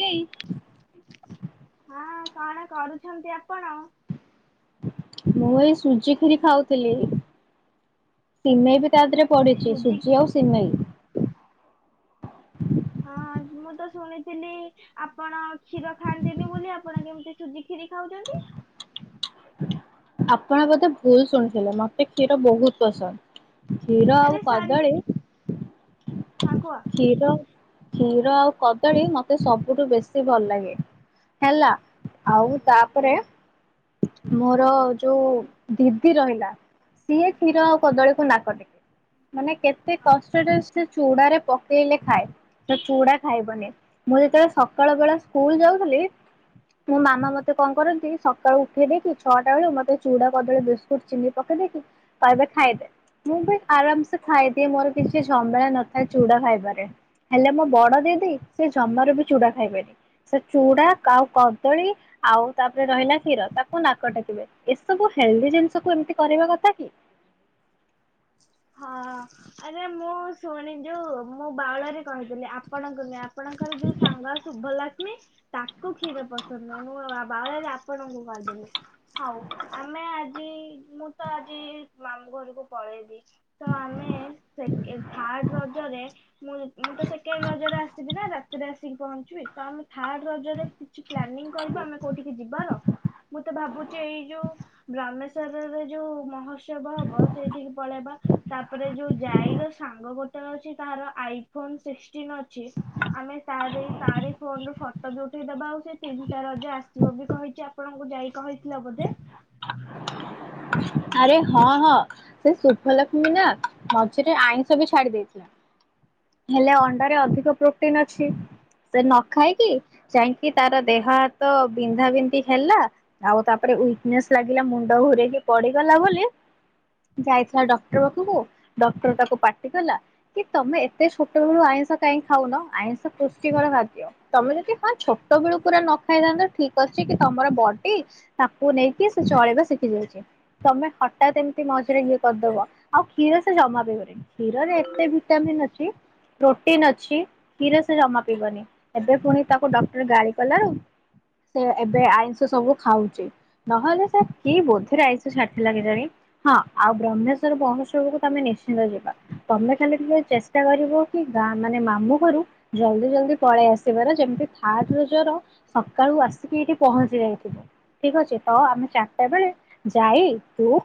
ସେଇ ହଁ କଣ କରୁଛନ୍ତି ଆପଣ? ମୁଁ ଏଇ ସୁଜି ଖିରି ଖାଉଥିଲି ସିମେଇ ବି ତା ଧିରେ ପ ପଡିଚି ସୁଜିକି ସୁଜି ଆଉ ସିମେଇ। ହଁ ମୁଁ ତ ଶୁଣିଥିଲି ଆପଣ କ୍ଷୀର ଖାଆନ୍ତିନି ବୋଲି ଆପଣ କେମିତି ସୁଜି ଖିରି ଖାଉଚନ୍ତି। ଆପଣ ବୋଧେ ଭୁଲ୍ ଶୁଣିଥିଲେ ମତେ କ୍ଷୀର ବହୁତ ପସନ୍ଦ। କ୍ଷୀର ଆଉ ଆରେ ସରି କଦଳୀ ହଁ କୁହ। କ୍ଷୀର କ୍ଷୀର ଆଉ କଦଳୀ ମତେ ସବୁଠୁ ବେଶୀ ଭଲ ଲାଗେ ହେଲା ଆଉ ତାପରେ ମୋର ଯୋଉ ଦିଦି ରହିଲା ସିଏ କ୍ଷୀର ଆଉ କଦଳୀକୁ ନାକ ଟେକେ ମାନେ କେତେ କଷ୍ଟରେ ସେ ସେ ଚୁଡାରେ ପକେଇଲେ ଖାଏ। ସେ ଚୁଡା ଖାଇବନି ମୁଁ ଯେତେବେଳେ ସକାଳୁ ବେଳେ ସ୍କୁଲ ଯାଉଥିଲି ମୋ ମାମା ମତେ କଣ କରନ୍ତି ସକାଳୁ ଉଠେଇ ଦେଇକି ଛଅଟା ବେଳୁ ମତେ ଚୁଡା, କଦଳୀ, ବିସ୍କୁଟ, ଚିନି ପକେଇଦେଇକି କହିବେ ଖାଇଦେ ମୁଁ ବି ଆରାମ ସେ ଖାଇଦିଏ। ମୋର କିଛି ଝମେଲା ନଥାଏ ଚୁଡା ଖାଇବାରେ। ହେଲେ ମୋ ବଡ ଦିଦି ସେ ଜମାରୁ ବି ଚୁଡା ଖାଇବେନି ସେ ଚୁଡା ଆଉ କଦଳୀ ଆଉ ତାପରେ ରହିଲା କ୍ଷୀର ତାକୁ ନାକ ଟେକିବେ। ଏସବୁ ହେଲ୍ଦି ଜିନିଷକୁ ଏମିତି କରିବା କଥା କି? ହଁଁଅଁ ଆରେ ମୁଁ ଶୁଣି ଯୋଉ ମୁଁ ବାଉଳରେ କହିଥିଲି ଆପଣଙ୍କୁ ନୁହେ ଆ ଆପଣଙ୍କର ଯୋଉ ସାଙ୍ଗ ଶୁଭ ଲକ୍ ଲକ୍ଷ୍ମୀ ତାକୁ କ୍ଷୀରେ ପସନ୍ଦ ନାଇ ମୁଁ କ ବାଉଳାରେ ଆପଣଙ୍କୁ କହି ଦେଲିି ହଉ। ଆମେ ଆଜିଇ ମୁଁ ତ ଆଜିଇ ମାମୁଁ ଘରକୁ ପ ପଳେଇବି ତ ଆମେ ସେକେ ଥାର୍ଡ ରଜରେ ମୁଁ ମୁଁ ତ ସେକେଣ୍ଡ ରଜରେ ଆସିବି ନା ରାତିରେ ଆସିକି ପହଞ୍ଚିବି। ତ ଆମେ ଥାର୍ଡ ରଜରେ କିଛି ପ୍ଲାନିଂ କରିବା ଆମେ କୋଉଠିକି ଯିବାର। ମୁଁ ତ ଭାବୁଚି ଏଇ ଯୋଉ ଗ୍ରାମେସ୍ଵ ଉତ୍ତରରେ ଯୋଉ ମହୋତ୍ସବ ହବ। ସେଇଠିକି ପଳେଇବା। ତାପରେ ଯୋଉ ଜାଇର ସାଙ୍ଗ ବୋଟଲ ଅଛି। ତାର ଆଇ ଫୋନ୍ ସିକ୍ସଟିନ୍ ଅଛି। ଆମେ ତାର ତାରି ଫୋନ ରୁ ଫଟୋ ଯଉଠ ଦେବା ଆଉ ସେ ଟା ରଜ ଆସିବ ବି କହିଛି ଆପଣଙ୍କୁ ଯାଇ କହିଥିଲ ବୋଧେ ଆରେ ହଁ ହଁ ସେ ଶୁଭଲକ୍ଷ୍ମୀ ନାଥ ମଝିରେ ଆଇଁଷ ବି ଛାଡି ଦେଇଥିଲା ହେଲେ ଅଣ୍ଡାରେ ଅଧିକ ପ୍ରୋଟିନ ଅଛି ସେ ନ ଖାଇକି ଯାଇକି ତାର ଦେହ ହାତ ବିନ୍ଧା ବିନ୍ଧି ହେଲା ଆଉ ତାପରେ ୱିକ ନେସ ଲାଗିଲା ମୁଣ୍ଡ ଘରେକି ପଡିଗଲା ବୋଲି ଯାଇଥିଲା ଡକ୍ଟର ପାଖକୁ ଡକ୍ଟର ତାକୁ ପାଟି କଲା କି ତମେ ଏତେ ଛୋଟ ବଳୁ ଆଇଁଷ କାହିଁକି ଖାଉନ ଆଇଁଷ ପୁଷ୍ଟିକର ଖାଦ୍ୟ ତମେ ଯଦି ହଁ ଛୋଟ ବେଳୁ ପୁରା ନ ଖାଇଥାନ୍ତ ଠିକ ଅଛି କି ତମର ବଡି ତାକୁ ନେଇକି ସେ ଚଳେଇ ଶିଖି ଯାଇଛି। ତମେ ହଠାତ୍ ଏମିତି ମଝିରେ ଇଏ କରିଦବ ଆଉ କ୍ଷୀର ସେ ଜମା ପଇବନି କ୍ଷୀରରେ ଏତେ ଭିଟାମିନ୍ ଅଛି ପ୍ରୋଟିନ ଅଛି କ୍ଷୀର ସେ ଜମା ପିବନି ଏବେ ପୁଣି ତାକୁ ଡକ୍ଟର ଗାଳି କଲାରୁ ସେ ଏବେ ଆଇଁଷ ସବୁ ଖାଉଛି ନହେଲେ ସେ କି ବୋଧରେ ଆଇ ଷାଠି ଲାଗେ ଜାଣି ହଁ ଆଉ ବ୍ରହ୍ମେଶ୍ଵର ମହୋତ୍ସବକୁ ତମେ ନିଶ୍ଚିନ୍ତ ଯିବା ତମେ ଖାଲି ଟିକେ ଚେଷ୍ଟା କରିବ କି ଗାଁ ମାନେ ମାମୁ ଘରୁ ଜଲ୍ଦି ଜଲଦି ପଳେଇ ଆସିବାର ଯେମିତି ଥାର୍ ରୋଜର ସକାଳୁ ଆସିକି ଏଇଠି ପହଞ୍ଚି ଯାଇଥିବ ଠିକ ଅଛି ତ ଆମେ ଚାରିଟା ବେଳେ ଯାଇ ତୁ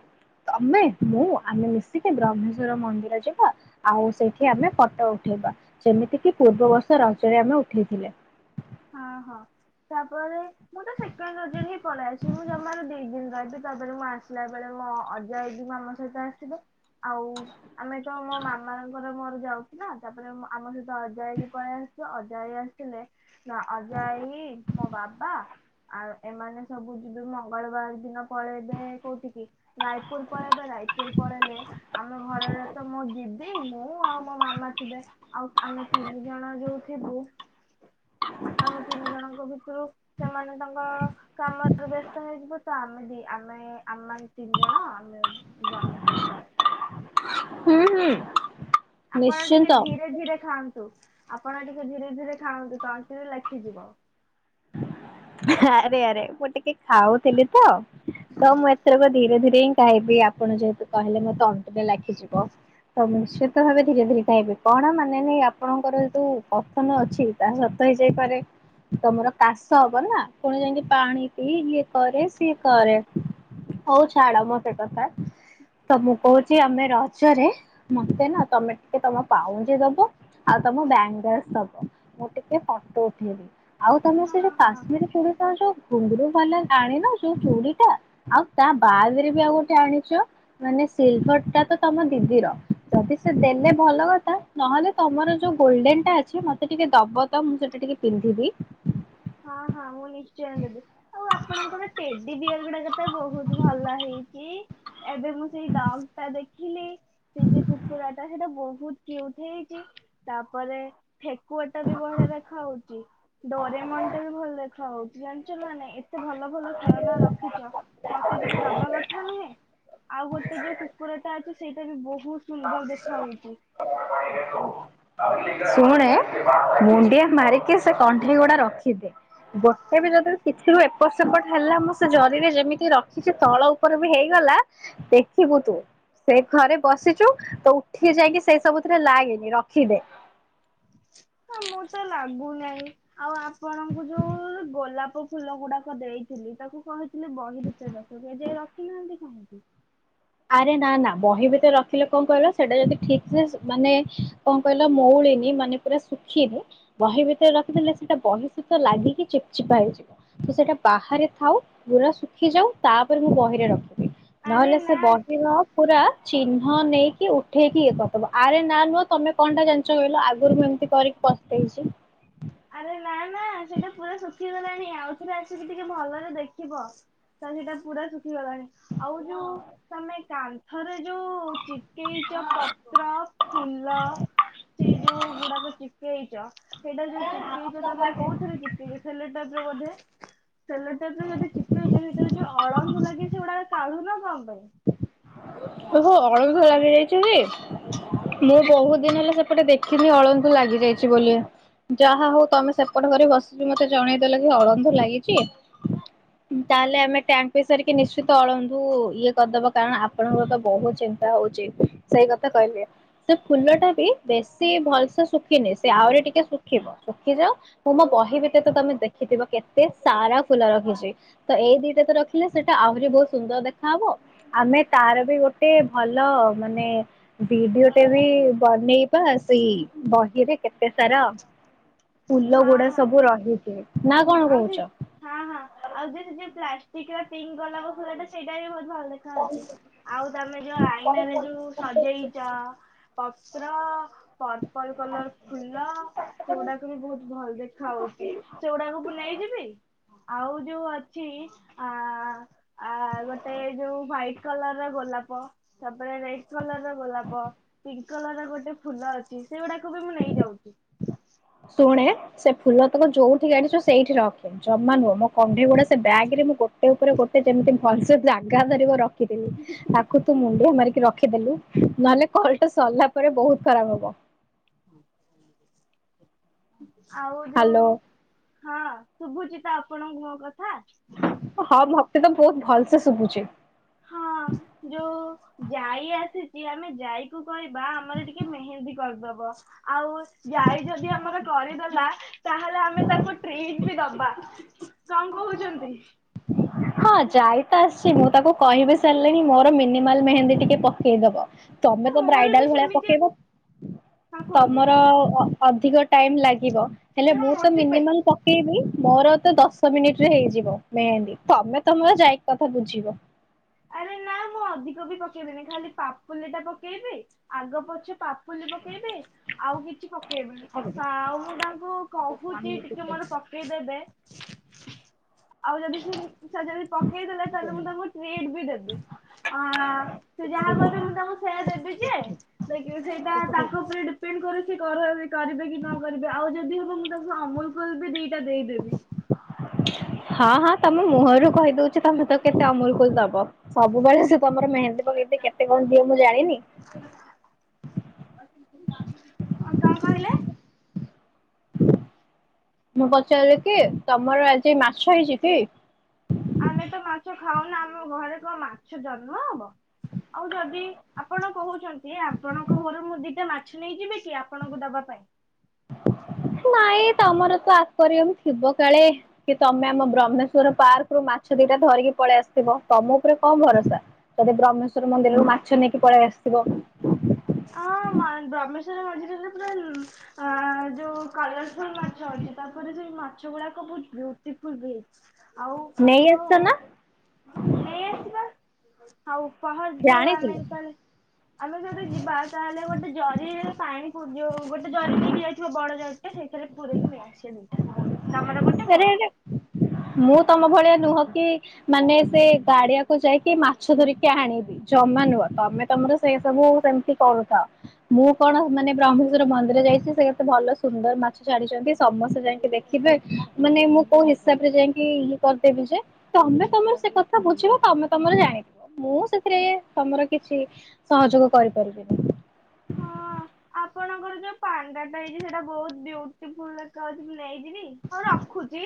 ତମେ ମୁଁ ଆମେ ମିଶିକି ବ୍ରହ୍ମେଶ୍ଵର ମନ୍ଦିର ଯିବା ଆଉ ସେଇଠି ଆମେ ଫଟୋ ଉଠେଇବା ଯେମିତିକି ପୂର୍ବବର୍ଷ ରଜରେ ଆମେ ଉଠେଇଥିଲେ। ହଁ ହଁ ତାପରେ ମୁଁ ତ ସେକେଣ୍ଡ ରୋଜରେ ହିଁ ପଳେଇ ଆସିବି ମୁଁ ଜମାରୁ ଦି ଦିନ ରହିବି ତାପରେ ମୁଁ ଆସିଲା ବେଳେ ମୋ ଅଜୟ ମାମା ସହିତ ଆସିବ। ଆଉ ଆମେ ତ ମୋ ମାମାଙ୍କର ମୋର ଯାଉଛି ତାପରେ ଆମ ସହିତ ଅଜ ଆଇ ବି ପଳେଇ ଆସଛ ଅଜୟ ଆସିଲେ। ନା ଅଜା ଆଇ ମୋ ବାବା ଆଉ ଏମାନେ ସବୁ ଯିବେ ମଙ୍ଗଳବାର ଦିନ ପଳେଇବେ କୋଉଠି କି ରାୟପୁର ପଳେଇବେ ରାୟପୁର ପଳେଇଲେ ଆମ ଘରର ତ ମୋ ଦିଦି ମୁଁ ଆଉ ମୋ ମାମା ଥିବେ ଆଉ ଆମେ ତିନି ଜଣ ଯୋଉ ଥିବୁ। ଆମେ ତିନି ଜଣଙ୍କ ଭିତରୁ ସେମାନେ ତାଙ୍କ କାମରେ ବ୍ୟସ୍ତ ହେଇଯିବ ତ ଆମେ ବି ଆମେ ଆମେ ମ ତିନି ଜଣ ଆମେମଶର ପବା ହୁଁ ହୁଁ। ଆପଣ ଟିକେ ନିଶ୍ଚିନ୍ତ। ଧୀରେ ଧୀରେ ଖାଆନ୍ତୁ। ଆପଣ ଟିକେ ଧୀରେ ଧୀରେ ଖାଆନ୍ତୁ ତନ୍ତିରେ ଲେଖିଯିବ। ଆରେ ଆରେ ମୁଁ ଟିକେ ଖାଉଥିଲି ତ ତ ମୁଁ ଏଥରକ ଧୀରେ ଧୀରେ ହିଁ ଖାଇବି ଆପଣ ଯେହେତୁ କହିଲେ ମୋ ତଣ୍ଟରେ ଲାଗିଯିବ ତ ନିଶ୍ଚିତ ଭାବେ ଧୀରେ ଧୀରେ ଖାଇବି କଣ ମାନେ ନାଇଁ ଆପଣଙ୍କର ଯ ଯୋଉ ପଥନ ଅଛି ତାହା ସତ ହେଇଯାଇପାରେ ତମର ଚାଷ ହବ ନା ପୁଣି ଯାଇକି ପାଣି ପିଇ ଇଏ କରେ ସିଏ କରେ ହଉ ଛାଡ ମୋତ କଥା ତ ମୁଁ କହୁଛି ଆମେ ରଜରେ ମତେ ନା ତମେ ଟିକେ ତମ ପାଉଁଜି ଦବ ଆଉ ତମ ବ୍ୟାଙ୍ଗଲସ ଦବ ମୁଁ ଟିକେ ଫଟୋ ଉଠେଇବି। ଆଉ ସେ ଯୋଉ ହଁ ହଁ କାଶ୍ମୀର ଚୁଡ଼ି କହୁଚ। କୁଙ୍ଗରୁ ଭଲ ଆଣିନ ଯୋଉ ଚୁଡି ଟା ଆଉ ତା ବାଦରେ ବି ଆଉ ଗୋଟେ ଆଣିଛ ମାନେ ସିଲଭର ଟା ତ ତମ ଦିଦିର ଯଦି ସେ ଦେଲେ ଭଲ କଥା ନହେଲେ ତମର ଯୋଉ ଗୋଲଡେନ ଟା ଅଛି ମତେ ଟିକେ ଦବ ତ ମୁଁ ସେଟା ଟିକେ ପିନ୍ଧିବି। ହଁ ହଁ ମୁଁ ନିଶ୍ଚୟ ଦେବି ଆଉ ଆପଣଙ୍କର ତେଡି ବିୟର ଗୁଡାକ ତ ବହୁତ ଭଲ ହେଇଛି। ଏବେ ମୁଁ ସେଇ ଡଙ୍ଗ ଟା ଦେଖିଲି ସେ ଯୋଉ କୁକୁଡ଼ା ଟା ସେଇଟା ବହୁତଟ ହେଇଛି ତାପରେ ଠେକୁଆ ଟା ବି ବଢିଆ ଦେଖା ହାଉଛି ଡୋରେମନ୍ ତେ ବି ଭଲ ଦେଖା ହଉଛି ଜାଣିଛ ମାନେ ଏତେ ଭଲ ଭଲ ଖେଳନା ରଖିଛ ମତେ ଟିକେ ଦବା କଥା ନୁହେଁ। ଆଉ ଗୋଟେ ଯୋଉ କୁକୁର ଟା ଅଛି ସେଇଟା ବି ବହୁ [unintelligible] ଶୁଣେ ମୁଣ୍ଡିଆ ମାରିକି ସେ କଣ୍ଢେଇ ଗୁଡା ରଖିଦି ଗୋଟେ ବି ଯଦି କିଛିରୁ ଏପଟ ସେପଟ ହେଲା ମୁଁ ସେ ଜରିରେ ଯେମିତି ରଖିଛି ତଳ ଉପରେ ବି ହେଇଗଲା ଦେଖିବୁ ତୁ ସେ ଘରେ ବସି ତ ଉଠି ଯାଇକି ସେଇ ସବୁଥିରେ ଲାଗେନି ରଖିଦେ ହଁ ମୁଁ ତ ଲାଗୁନାହିଁ ଆଉ ଆପଣଙ୍କୁ ଯୋଉ ଗୋଲାପ ଫୁଲ ଗୁଡାକ ଦେଇଥିଲି ତାକୁ କହିଥିଲି ବହି ରଚ ରଖ କେ ଯାଇ ରଖିନାହାନ୍ତି କାହିଁକି? ଆରେ ନା ନା ବହି ଭିତରେ ରଖିଲେ କଣ କହିଲ ସେଟା ଯଦି ଠିକ ସେ ମାନେ କଣ କହିଲ ମଉଳିନି ମାନେ ପୁରା ଶୁଖିନି ବହି ଭିତରେ ରଖିଦେଲେ ସେଟା ବହି ସହିତ ଲାଗିକି ଚିପ ଚିପା ହେଇଯିବ ତ ସେଟା ବାହାରେ ଥାଉ ପୁରା ଶୁଖି ଯାଉ ତାପରେ ମୁଁ ବହିରେ ରଖିବି। ଆରେ ନା ଦିନ ପୁରା ଚିହ୍ନ ନେଇକି ଉଠେଇକି ଇଏ କରିଦବ ଆରେ ନା ନୁହଁ ତମେ କଣ ଟା ଜାଣିଛ କହିଲ ଆଗରୁ ମୁଁ ଏମିତି କରିକି ପସ୍ତେଇଚି। ଆରେ ନା ନା ସେଇଟା ପୁରା ଶୁଖିଗଲାଣି ଆଉଥରେ ଆସିକି ଟିକେ ଭଲରେ ଦେଖିବ ତ ସେଇଟା ପୁରା ଶୁଖିଗଲାଣି ଆଉ ଯୋଉ ତମେ କାନ୍ଥରେ ଯୋଉ ଚିକେଇଚ ପତ୍ର ଫୁଲ ସେ ଯୋଉ ଗୁଡାକ ଚିକେଇଚ ସେଇଟା ଯଦି ଚିପେଇଛ ତମେ କୋଉଥିରେ ଚିପେଇଛ ସେଟ ଟପ ରେ ବୋ ସେଲ ଟାଇପ ରେ ଯଦି ଚିପେଇଛ ଭିତରେ ଯୋଉ ଅଳଙ୍ଗୁ ଲାଗେ ସେଗୁଡା କାଳୁ ନା କମ ଓହୋ ଅଳଧ ଲାଗି ଯାଇ ମୁଁ ବହୁତ ଦିନ ହେଲା ସେପଟେ ଦେଖିନି ଅଳଧୁ ଲାଗି ଯାଇଛି ବୋଲି ଯାହା ହଉ ତମେ ସେପଟ ଘରେ ବସିବି ମତେ ଜଣେଇଦେଲେ କି ଅଳନ୍ଧୁ ଲାଗିଛି ତାହେଲେ ଆମେ ଟ୍ୟାଙ୍କ ପ ସାରିକି ନିଶ୍ଚିତ ଅଳଧୁ ଇଏ କରିଦବ କାରଣ ଆପଣଙ୍କର ତ ବହୁତ ଚିନ୍ତା ହଉଛି ସେଇ କଥା କହିଲେ ସେ ଫୁଲ ଟା ବି ବେଶୀ ଭଲସେ ଶୁଖିନି ସେ ଆହୁରି ଟିକେ ଶୁଖିବ ଶୁଖିଯାଉ ମୁଁ ମୋ ବହି ଭିତରେ ତ ତମେ ଦେଖିଥିବ କେତେ ସାରା ଫୁଲ ରଖିଚି ତ ଏଇ ଦିଟା ତ ରଖିଲେ ସେଟା ଆହୁରି ବହୁତ ସୁନ୍ଦର ଦେଖାହବ। ଆମେ ତାର ବି ଗୋଟେ ଭଲ ମାନେ ଭିଡିଓ ଟେ ବି ବନେଇବା ସେଇ ବହିରେ କେତେ ସାରା ଫୁଲ ହଁ ଗୁଡା ହଁ ସବୁ ରହିଛି ନା କଣ ଆଉ ସେ କହୁଛ? ହଁ ହଁ ଆଉ ଯ ଯଦି ପ୍ଲାଷ୍ଟିକର ପିଙ୍କ ଗୋଲା ଫୁଲ ଟା ବି ସେଇଟା ବି ବୋହୁ ଭଲ ଦେଖା ଅଛି ଆଉ ତମେ ଯୋଉ ଆଇନ ରେ ଯୋଉ ସଜେଇଚ ପତ୍ର ପର୍ପଲ କଲର ଫୁଲ ସେଗୁଡାକୁ ବି ବହୁତ ଭଲ ଦେଖା ହଉଛି ସେଗୁଡାକୁ ଆଉ ଯୋଉ ଅଛି ଆ ଆ ଗୋଟେ ଯୋଉ ୱାଇଟ୍ କଲର ର ଗୋଲାପ ତାପରେ ରେଡ କଲର ର ଗୋଲାପ ପିଙ୍କ କଲର ର ଗୋଟେ ଫୁଲ ଅଛି ସେଗୁଡାକୁ ବି ମୁଁ ନେଇଯାଉଛି। ଶୁଣେ ସେ ଫୁଲ ତକୁ ଯୋଉଠି ଗାଡିଛ ସେଇଠି ରଖେ ଜମା ନୁହଁ ମୋ କଣ୍ଢେଇ ଗୁଡା ସେ ବେଗ ରେ ମୁଁ ଗୋଟେ ଉପରେ ଗୋଟେ ଯେମିତି ଭଲସେ ଜାଗା ଧରିବ ରଖ ଖିଥିଲି ତାକୁ ତୁ ମୁଣ୍ଡଆ ମାରି ରଖିଦେଲୁ ନହେଲେ କଲଟା ସରିଲା ପରେ ବହୁତ ଖରାପ ହବ। [inaudible] ଆଉ ଯୋଉ ହ୍ୟାଲୋ ହଁ ଶୁଭୁଚି ତ ଆପଣଙ୍କୁ ମୋ କଥା ହଁ ମତେ ତ ବହୁତ ଭଲ ସେ ଶୁଭୁଚି। ହଁ ଯୋଉ ଯାଇ ଆସିଛି ଆମେ ଯାଇକୁ କହିବା ଆମର ଟିକେ ମେହେନ୍ଦୀ କରିଦବ ଆଉ ଯାଇ ଯଦି ଆମର କରିଦ [inaudible] ତାହେଲେ ଆମେ ତାକୁ ଟ୍ରିକ ବି ଦବା। କଣ କହୁଛନ୍ତି? ହଁ ଯାଇ ତ ଆସ ମୁଁ ତାକୁ କହିବି ସାରିଲିଣିି ମୋର ମିନିମାଲ ମେହେନ୍ଦୀ ଟିକେ ପକେଇଦବ। ତମେ ତ ମୋର ବ୍ରାଇଡାଲ ବି ଭଳିଆ ସେମିତି ପକେଇବ ହଁ କୁହନ୍ତୁ ତମର ଅଧିକ ଟାଇମ୍ ଲାଗିବ। ହେଲେ ମୁଁ ମୋର ତ ଯିବେ ମିନିମଲ ପକେଇବି ମୋର ତ ଦଶ ମିନିଟ ରେ ହେଇଯିବ। ମେହେନ୍ଦୀ ତମେ ତମର ଯାଇକି କଥା ବୁଝିବ। ଆରେ ନା ମୁଁ ଅଧିକ ବି ପକେଇବିନି ଖାଲି ପାପୁଲି ଟା ପକେଇବି ଆଗ ପଛେ ପାପ ପୁଲି ପକେଇବି ଆଉ କିଛି ପକେଇବନି ଆଉ ମୁଁ ତାଙ୍କୁ କହୁଛି ଟିକେ ମୋର ପକେଇଦେବେ। ଆଉ ଯଦି ସେ ଯଦି ପକେଇଦଲା ତାହେଲେ ମୁଁ ତାଙ୍କୁ ଟେ ବି ଦେବି ଆ ସେ ଯାହା କହିଁବେ ମୁଁ ତାଙ୍କୁ ସେୟା ଦେବି ଯେ ଦେ ସେଇଟା ତାଙ୍କ ଉପରେ ଡିପେଣ୍ଡ କରୁଛି କର ଏବେ କରିବେ କି ନ କରିବେ ଆଉ ଯଦି ହବ ମୁଁ ତାଙ୍କୁ ଅମୁଲ କୁଲ୍ ବି ଦିଟା ଦେଇଦେବି। ହଁ ହଁ ତମେ ମୁହଁରୁ କହିଦଉଛି ତମେ ତ କେତେ ଅମୁଲ କୁଲ ଦବ। ସବୁବେଳେ ସେ ତମର ମେହେନ୍ଦୀ ପକେଇଦିଏ କେତେ କଣ ଦିଏ ମୁଁ ଜାଣିନି। ଆଉ କଣ କହିଲେ? ମୁଁ ପଚାରିଲି କି ତମର ଆଜି ମାଛ ହେଇଛି କି? ଆମେ ତ ମାଛ ଖାଉନା ଆମ ଘରେ କଣ ମାଛ ଜନ୍ମ ହବ ଆଉ ଯଦି ଆପଣ କହୁଛନ୍ତି ଆପଣଙ୍କ ଘରୁ ମୁଁ ଦିଟା ମାଛ ନେଇଯିବି କି ଆପଣଙ୍କୁ ଦବା ପାଇଁ। ନାଇଁ ତମର ତ ଆକ୍ୱାରିୟମ ଥିବ କାଳେ। କି ତମେ ଆମ ବ୍ରହ୍ମେଶ୍ୱ ର ପାର୍କ ରୁ ମାଛ ଦିଟା ଧରିକି ପଳେଇ ଆସଥିବ ତମ ଉପରେ କଣ ଭରସା ଯଦି ବ୍ରହ୍ମେ ମନ୍ଦିରରୁ ମାଛ ନେଇକି ପଳେଇ ଆସ ଥିବ। ମନ୍ଦିର ମଝିରେ ନା ପୁରା ଆଁ ଯୋଉ କଲରଫୁଲ ମାଛ ଅଛି ତାପରେ ସେ ମାଛ ଗୁଡାକ ବହୁତ୍ ବିଉଟିଫୁଲ ବି ହେଇଚି। ଆଉ ନେଇ ଯୋଉ ଆସିଛ ନା ନେଇ ଆସିବା। ହଉ। ସହ ଯଉ ଆମେ ଜାଣିଥିଲୁ ଯେତେବେଳେ ଆମେ ଯେତ ତାହେଲେ ଗୋଟେ ଜରିରେ ପାଣି ପୁ ଯଉ ଗୋଟେ ଜରି ଦେଇି ଯାଇଥିବ ବଡ ଜର ସେଇଥିରେ ପୁରେଇକି ନେଇଆସିବା ଦିଟା ତମର ଗୋଟେ ଆରେ ମୋର ଆରେ ଗୋଟେ। ମୁଁ ତମ ଭଳିଆ ନୁହଁ କି ମାନେ ସେ ଗାଡିଆକୁ ଯାଇକି ମାଛ ଧରିକି ଆଣିବି ଜମା ନୁହଁ ତମେ ତମର ସେ ସବୁ ସେମିତି କରୁଥାଅ ମୁଁ କଣ ମାନେ ବ୍ରହ୍ମେଶ୍ଵର ମନ୍ଦିର ଯାଇଛି ସେ କେତେ ଭଲ ସୁନ୍ଦର ମା ଛାଡିଛନ୍ତି ସମସ୍ତେ ଯାଇକି ଦେଖିବେ ମାନେ ମୁଁ କୋଉ ହିସାବ ରେ ଯାଇକି ଇଏ କରିଦେବି ଯେ ତମେ ତମର ସେ କଥା ବୁଝିବ ତମେ ତମର ଜାଣିଥିବ ମୁଁ ସେଥିରେ ତମର କିଛି ସହଯୋଗ କରିପାରିବିନି। ହଁ ଆପଣଙ୍କର ଯୋଉ ପାଣ୍ଡାଟା ହେଇଛି ସେଇଟା ବହୁତ ବିଉଟିଫୁଲ ଦେଖା ହଉଚି ମୁଁ ନେଇଯିବି ହଉ ରଖୁଚି?